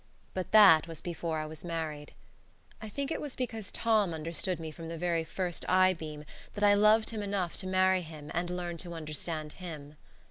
But that was before I was married. I think it was because Tom understood me from the very first eye beam, that I loved him enough to marry him and learn to understand HIM.